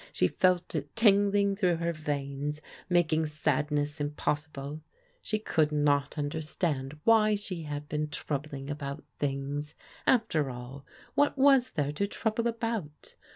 She felt it tingling through her veins, making sadness impossi ble. She could not understand why she had been troub ling about things. After all, what was there to trouble about